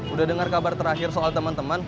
udah dengar kabar terakhir soal teman teman